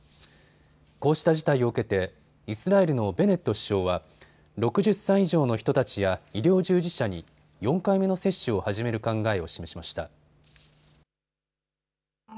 こうした事態を受けてイスラエルのベネット首相は６０歳以上の人たちや医療従事者に４回目の接種を始める考えを示しました。